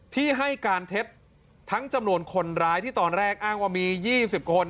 ที่ให้การเท็จทั้งจำนวนคนร้ายที่ตอนแรกอ้างว่ามี๒๐คน